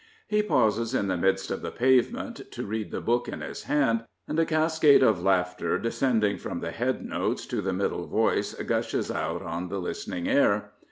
He pauses in the midst of the pavement to read the book in his hand, and a cascade of laughter descending from the head notes to the middle voice gushes out on the listening air.